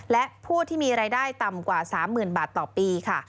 และผู้ที่มีรายได้ต่ำกว่า๓๐๐๐บาทต่อปีค่ะ